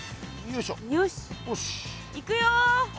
よしいくよ。